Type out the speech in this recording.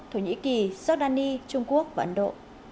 thổ nhĩ kỳ jordani trung quốc và ấn độ